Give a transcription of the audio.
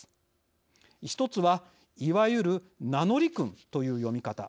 １つはいわゆる名乗り訓という読み方。